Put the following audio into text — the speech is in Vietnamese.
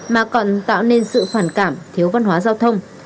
mà còn tạo nên sự phản cảm thiếu văn hóa giao thông